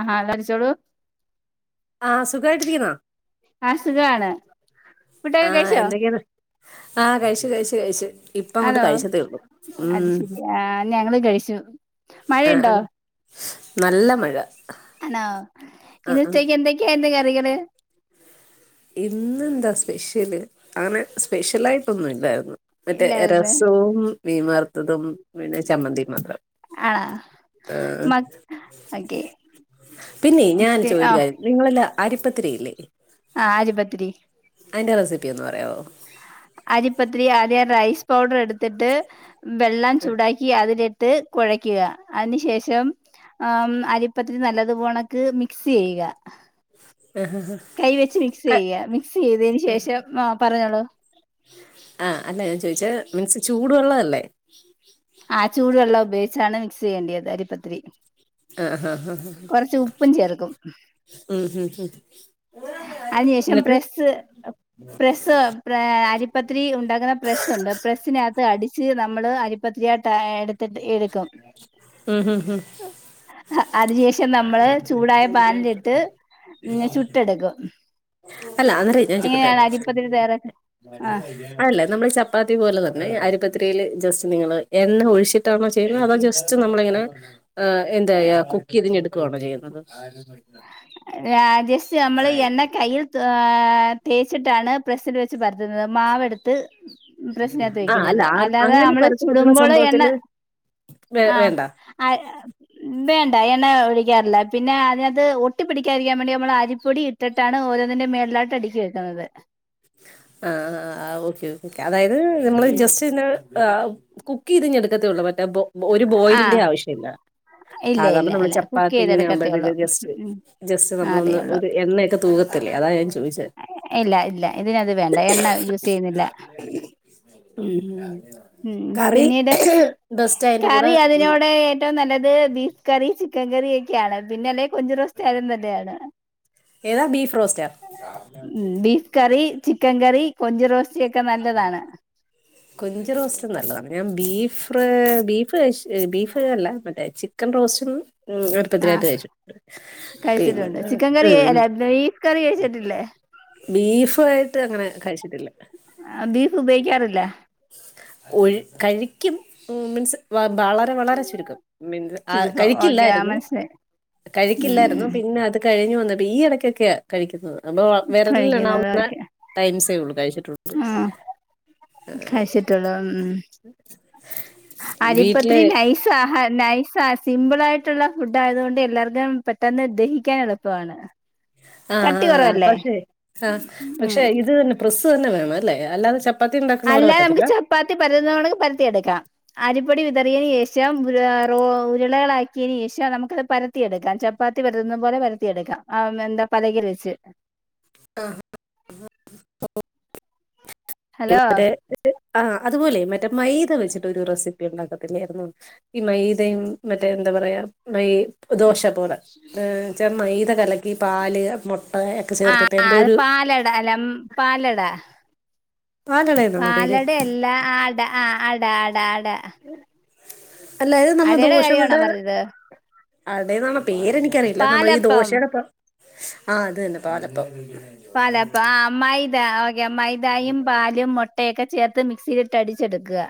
ആഹ് എല്ലാരച്ചോള ആ സുഖമായിട്ടിരിക്കുന്നോ ആ സുഖാണ് ഫുഡൊക്കെ ആഹ് കഴിച്ചോ എന്തൊക്കെയന്ന് ആഹ് കഴിച്ചു കഴിച്ചു കഴിച്ചു ഇപ്പ ഇങ്ങോണ്ട് കഴിച്ചത്തേ ഒള്ളു ഉം ആഹ് ഞങ്ങള് കഴിച്ചു മഴയുണ്ടോ ആഹ് നല്ല മഴ ആണോ ആ ഇന്ന് ആ. ഉച്ചേക്ക് എന്തൊക്കെയാണ് എന്റെ കറികള് ഇന്ന് എന്താ സ്പെഷ്യല് അങ്ങനെ സ്പെഷ്യലായിട്ടൊന്നും ഇല്ലായിരുന്നു മറ്റേ ഇല്ലായിരുന്നു രസവും മീൻ വർത്തതും പിന്നെ ചമ്മന്തി മത്രം ആണോ ഏഹ് മ ഓക്കെ പിന്നെ ഞാൻ ചോദി ആ കാര്യം നിങ്ങളെല്ല അരിപ്പത്തിരിയില്ലേ ആഹ് അരിപ്പത്തിരി അതിന്റെ റെസിപ്പി ഒന്ന് പറയാമോ അരിപ്പത്തിരി ആദ്യ റൈസ് പൗഡർ എടുത്തിട്ട് വെള്ളം ആ, ചൂടാ ക്കി അതിലിട്ട് കുഴയ്ക്കുക അതിനു ശേഷം ആ അരിപ്പത്തിരി നല്ലത് പോണക്ക് മിക്സ് ചെയ്യുക കൈ വെച്ച് മിക്സ് ക ചെയ്യക മിക്സ് ചെയ്തന് ശേഷം ആ പറഞ്ഞോളൂ ആ അല്ല ഞാൻ ചോദിച്ചാൽ മീൻസ് ചൂടു വെള്ളതല്ലേ ഉ ആഹ് ചൂടുവെള്ളം ഉപയോഗിച്ചാണ് മിക്സ് ചെയ്യേണ്ടിയത് അരിപ്പത്തിരി ആഹ് ആഹ് ആഹ് കൊറച്ച് ഉപ്പും ചേർക്കും ഉം ഉം ഉം. അതിന് ശേഷം എന്നിട്ട്? പ്രസ് പ്രസ് പ്ര അരിപ്പത്രി ഉണ്ടാക്കുന്ന പ്രസ്സ ഉണ്ട് പ്രസ്സിനകത്ത് അടിച്ച് നമ്മൾ അരിപ്പത്രി ആയിട്ട എടു എടുക്കും ഉം ഹും ഹും അതിന ശേഷം നമ്മള് ചൂടായ പാനിലിട്ട് ചുട്ടെടുക്കും അല്ല അന്നര ഞാൻ ചോക്കട്ടെ ഇങ്ങനെയാണ് അരിപ്പത്തിരി തയ്യാറാക്ക അല്ല നമ്മൾ ചപ്പാത്തി പോലെ തന്നെ അരിപ്പത്തിരിയിൽ ജസ്റ്റ് നിങ്ങൾ എണ്ണ ഒഴിച്ചിട്ടാണോ ചെയ്യുന്നത് അതോ ജസ്റ്റ് നമ്മള ഇങ്ങനെ എന്ത ചെയ്യ ആഹ് കുക്ക് ചെയ്തടുക്കുകയാണോ ചെയ്യുന്നത് രാ ജസ്റ്റ് നമ്മള് എണ്ണ കയ്യിൽ ആഹ തേച്ചിട്ടാണ് പ്രസില് വെച്ച് പരത്തുന്നത് മാവെടുത്ത് പ്രശ്നാത്ത് ആ അല്ല വെക്കുന്നത് ആ- അല്ലാതെ അങ്ങനെ നമ്മള് പരത്തി കിട്ടുന്ന ചുടുമ്പോൾ എണ്ണ സംഭവത്തിൽ ആഹ വേണ്ട ആഹ വേണ്ട എണ്ണ ഒഴിക്കാറില്ല പിന്നെ അതിന അത് ഒട്ടിപ്പിടിക്കാതിരിക്കാൻ വേണ്ടി നമ്മൾ അരിപ്പൊടി ഇട്ടട്ടാണ് ഓരോന്നന്റെ മേുകളലാട്ട് അടുക്കി വെക്കുന്നത് ആഹ ആഹ ആഹ ഓക്കെ അതായത് നമ്മൾ ജസ്റ്റ് [unintelligible] കുക്ക് ചെയ്ത് എടുക്കത്തേ ഒള്ളൂ മറ്റേ ഒരു ബോയിലിന്റെ ആഹ് ആവശ്യമല്ല ഇല്ല സാധാരണ ഇല്ല നമ്മള് ഇല്ല കുക്ക് ചപ്പാത്തി ചെയ്തെടുക്കത്തേ ഉള്ളൂ ഇങ്ങനൊവുമ്പോഴത്തേക്ക ഗസ്റ്റ് ഉം ജസ്റ്റ് അതേ നമ്മളൊന്ന് ഉള്ളൂ ഒരു എണ്ണയൊക്കെ തൂകത്തില്ലേ അതാ ഞാൻ ചോദിച്ചത് ഇല്ല ഇല്ല ഇതിനത് വേണ്ട എണ്ണ യൂസ് ചെയ്യുന്നില്ല ഉം. ഉം കറി പിന്നീട് ബെസ്റ്റ് അതിന്റെ കൂടെ കറി ഉം, അതിനോടെ ഏറ്റവും നല്ലത് ബീഫ് കറി ചിക്കൻ കറി ഒക്കെയാണ് പിന്നെ അല്ലെ കൊഞ്ചു റോസ്റ്റയാലും നല്ലയാണ് ഏതാ ബീഫ് റോസ്റ്റർ ഉം ബീഫ് കറി ചിക്കൻ കറി കൊഞ്ചു റോസ്റ്റ ഒക്കെ നല്ലതാണ് [inaudible] കുഞ്ച് റോസ്റ്റ് നല്ലതാണ് ഞാൻ ബീഫ് ബീഫ് കഴി ബീഫ് അല്ല മറ്റേ ചിക്കൻ റോസ്റ്റൊന്നും ഉം ആ അറുപ്പത്തിനായിട്ട് തച്ചു കഴിച്ചിട്ടുണ്ട് പിന്നെ ചിക്കൻ കറി ഉം അല്ല ബീഫ് കറി കഴിച്ചിട്ടില്ലേ ബീഫ ആയിട്ട് അങ്ങനെ കഴിച്ചിട്ടില്ല ആഹ ബീഫ ഉപയോഗിക്കാറില്ല ഒഴി കഴിക്കും മീൻസ് വളരെ വളരെ ചുരുക്കം ചുരുക്കം ഓക്കെ ആ കഴിക്കില്ലായിരുന്നു മനസ്സിലായി കഴിക്കില്ലായിരുന്നു ഉം പിന്നെ അത് കഴിഞ്ഞു വന്നപ്പോ ഈ ഇടക്കൊക്കെയാ കഴിക്കുന്നത് അ കഴിക്കുന്നത് വിരലിലണാവുന്ന ടൈംസേ ഉള്ളു കഴിച്ചിട്ടുള്ള ഉം കഴിച്ചിട്ടുള്ളൂ ഉം [inaudible] അരിപത്രി വീട്ടില് നൈസ്സ് ഹ നൈസ ആ സിമ്പിൾ ആയിട്ടുള്ള ഫുഡ് ആയതു കൊണ്ട് എല്ലാവർക്കും പെട്ടെന്ന് ദഹിക്കാൻ എളുപ്പമാണ് ആഹ കട്ടി ആഹ ആഹ കുറവല്ലേ പക്ഷെ ആഹ പക്ഷെ ഉം ഇത് തന്നെ പ്രസ്സ് തന്നെ വേണം അല്ലേ അല്ലാതെ ചപ്പാത്തി ഉണ്ടാക്കണ പോലെ അല്ല നമുക്ക് പറ്റത്തില്ല ചപ്പാത്തി പരത്തുന്നണെങ്കിൽ പരത്തിയ എടുക്കാം അരിപ്പൊടി വിതറിയതിനന് ശേഷം റ ഉരുളകളാക്കിയതിനന് ശേഷം നമുക്കത് പര വത്തിയെടുക്കാം ചപ്പാത്തി പരുതുന്ന പോലെ പരത്തിയെടുക്കാം എന്താ പലകിൽ വെച്ച് ആഹ [inaudible] ഹലോ റ്റേ ആഹ അതുപോലെ മറ്റേ മൈദ വെച്ചിട്ട ഒരു റെസിപ്പി ഉണ്ടാക്കത്തില്ലായിരുന്നു ഈ മയ്തയും മറ്റേ എന്താ പറയാ മൈ ദോശ പോലെ ഏ ചെറ മൈത കലക്കി പാല് മു ആഹ ആഹ അത് പാലട അല്ല പാലട പാലടയെന്നാണോ പേര് പാലട എല്ലാം ആട ആഹ അട അട അട അല്ലായതെ നമ്മൾ അടയുടെ കാര്യമാണോ ദോഷങ്ങളടെ പറഞ്ഞത് അവിടെേന്നാണോ പേരെനിക്കറിയില്ല നമ്മൾ ഈ പാലപ്പം ദോശയുടെ ഇപ്പ ആഹ അത് തന്നെ പാലപ്പ പാലാപ്പ ആ മൈദ ഓക്കെ മൈതായും പാലും മുട്ട മുട്ടയൊക്കെ ചേർത്ത് മിക്സിയിലിട്ട് അടിച്ചെടുക്കുക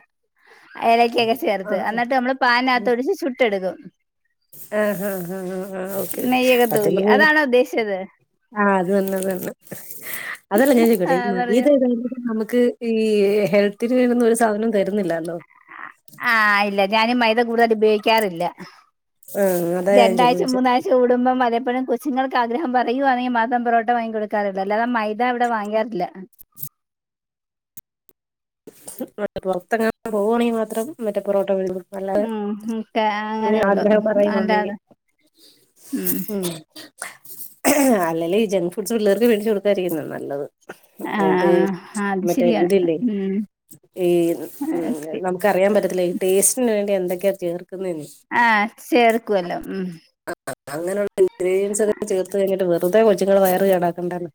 ഏലക്കൊക്കെ ചേർത്ത് ആഹ് എന്നിട്ട് നമ്മള് പാനകത്തൊഴിച്ച് ചുട്ടെടുക്കും ആഹ അഹ അഹ ആഹ ഓക്കെ ഓക്കെ നെയ്യൊക്കെ സത്യം തൂകി പറഞ്ഞ ഈ അതാണോ ഉദ്ദേശിച്ചത് ആഹ അത് തന്നെ അത് തന്നെ അതല്ല ഞാൻ ചോക്കോട്ടെ ഈ ആഹ് മത പറഞ്ഞോ ഇതായും നമുക്ക് ഈ ഹെൽത്തിന്നനും ഒരു സാധനം തരുന്നില്ലല്ലോ ആഹ് ഇല്ല ഞാനി മൈതാ കൂടതല് ബേ റില്ല ആഹ് അതാ ഞാൻ രണ്ടാഴ്ച ചോദിച്ചെ. മൂന്നാഴ്ച ചൂടുമ്പം വലപ്പോഴും കൊച്ചുങ്ങൾക്ക് ആഗ്രഹ പറയുവാണൽ മാത്രം പൊറോട്ടാ വാങ്ങി കൊടു [unintelligible] അല്ലാതെ മൈദാ ഇവിടെ വാങ്ങാറില്ല [unintelligible] പൊറത്തെങ്ങാനും പോകുവാണെങ്കി മാത്രം മറ്റേ പൊറോട്ട [unintelligible] ഉം [unintelligible] ഉം, അങ്ങനെയുള്ളു. ആഗ്രഹം പറയുവാണെങ്കിൽ അതെന്താത്? ഉം അല്ലേലും ഈ ജങ്ക് ഫുഡ്സ് പിള്ളേർക്ക് വേടിച്ചു കൊടുക്കാതിരിക്കുന്നതാ നല്ലത്. ആഹ് അതേ ആഹ് അത് മറ്റേ ശരിയാണ് എര്ന്ത്ല്ലേ ഉം ഈ ഉം നമുക്കറിയാൻ പറ്റത്തില്ല ഈ ടേസ്റ്റിന് വേണ്ടി എന്തൊക്കെയാ ചേർക്കുന്നെന്ന് ആഹ്, ചേർക്കുവല്ലോ. ഉം അ അ അങ്ങനെള്ള ഇൻ ഗ്രീൻസ് ഒക്കെ ചേർത്ത് കഴിഞ്ഞിട്ട് വെർ റുതെ വിളിച്ച്ക്ക്ണ് വയറ് കേടാക്കണ്ടാന്ന്.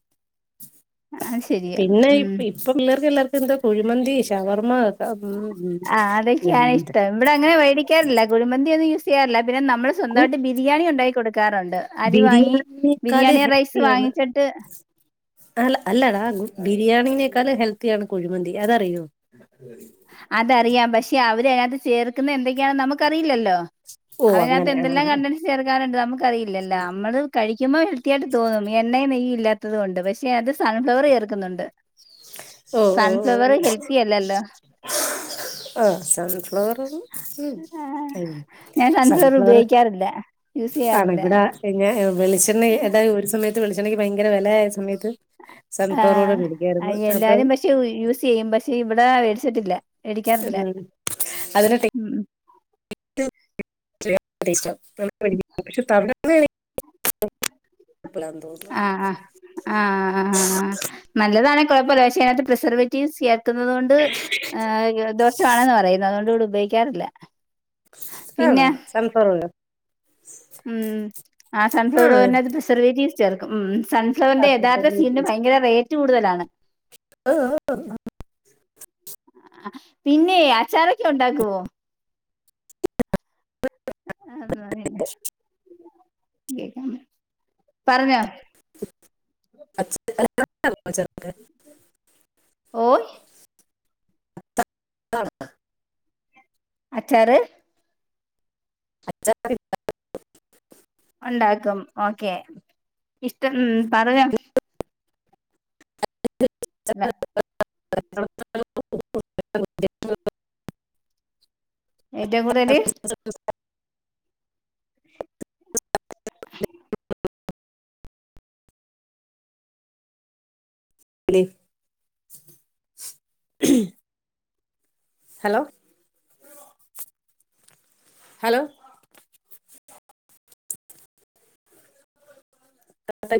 അത് ശരിയാ പിന്നെ ഈ ഉം പി ഇപ്പം പിള്ളേർക്ക് എല്ലാവർക്കു എന്തൊ കുഴിമന്തി ഷവർമ്മ [unintelligible] ആഹ്, അതൊക്കെയാണ് എന്തൊക്കോ ഇഷ്ട്ടം. ഇവിടെ അങ്ങനെ വേടിക്കാറില്ല കുഴിമന്തിയൊന്നും യാറില്ല. പിന്നെ നമ്മള് സ്വന്തായിട്ട് ബിരിയാണി ഒണ്ടാക്കി കൊടുക്കാറുണ്ട്. അരി വാങ്ങി ബിരിയാണിനേക്കാള് ബിരിയാണി റൈസ് ഹെൽത്തിയാണ് വാങ്ങിച്ചിട്ട് അല്ല അല്ലടാ ബിരിയാണീനേക്കാലും ഹെൽത്തിയാണ് കുഴിമന്തി അതറിയോ [unintelligible] അതറിയാം, പക്ഷെ അവര് അതിനാത്ത് ചേർക്കുന്ന എന്തൊക്കെയാണെന്ന് നമുക്കറിയില്ലല്ലോ. ഓ അതിനാത്ത് അങ്ങനെ ആ എന്തെല്ലാം കണ്ടൻസ് ചേർക്കാറുണ്ട് നമുക്കറിയില്ലല്ല. നമ്മള് കഴിക്കുമ്പോ ഹെൽത്തി ആയിട്ട് തോന്നും, എണ്ണയും നെയ്യും ഇല്ലാത്തതു കൊണ്ട്. പക്ഷെ അത് സൺഫ്ലവർ ചേർക്കുന്നുണ്ട്. സൺ ഫ്ലവറ് ഹെൽത്തി അല്ലല്ലോ ആഹ്, സൺഫ്ലവറ്, ഉം [unintelligible] ഞാൻ സൺഫ്ലവർ സൺഫ്ലവറ് ഉപയോഗിക്കാറില്ല യൂസ് ആണ് ചെയ്യാറില്ല ഇവിടെ പിന്നെ വെളിച്ചെണ്ണ അതായത് ഒരു സമയത്ത് വെളിച്ചെണ്ണയ്ക്ക് ഭയങ്കര വെലയായ സമയത്ത് സൺ ഫ്ലവറൂടാ വേവി അ എല്ലാരും പക്ഷെ യു യൂസ് ചെയ്യും, പക്ഷെ ഇവിടെ വേടിച്ചിട്ടില്ല. വേടിക്കാറില്ല. ഉം ഉം [unintelligible] തവിടെണ്ണ [unintelligible] തോന്നുന്നു ആഹ് അ അ അ അ അ, നല്ലതാണെ കൊഴപ്പല്ല. പക്ഷേ അതിനകത്ത് പ്രിസർവേറ്റീവ്സ്- [unintelligible] കൊണ്ട് ദോഷമാണെന്ന് പറയുന്നു. അതുകൊണ്ട് ഇവിടെ ഉപയോഗിക്കാറില്ല. ആണോ, പിന്നെ സൺഫ്ലവർ ഉണ്ടോ? ഉം, ആ സൺഫ്ലവർ ഓയിലിനകത്ത് സിറിവേറ്റീസ് ചേർക്കും. സൺ- ഫ്ലവറിന്റെ യഥാർത്ഥ സ്വീറ്റിന് ഭയങ്കര റേറ്റ് കൂടുതലാണ്. അഹ്, പിന്നേ അച്ചാറൊക്കെ ഉണ്ടാക്കുവോ? അ [unintelligible] അതന്നെ [unintelligible] പറഞ്ഞോ [unintelligible] ഓയ് [unintelligible] അച്ചാറ് അച്ചാ [inaudible] റ് ഒണ്ടാക്കും, ഓക്കെ ഇഷ്ടൺ പറയും. [inaudible] ഏറ്റവും കൂടുതല് [unintelligible] [inaudible] [unintelligible] ഹലോ ഹലോ [unintelligible]